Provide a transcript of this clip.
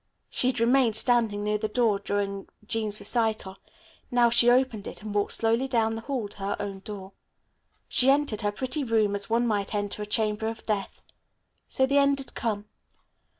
She had remained standing near the door during Jean's recital, now she opened it and walked slowly down the hall to her own door. She entered her pretty room as one might enter a chamber of death. So the end had come.